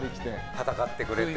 戦ってくれて。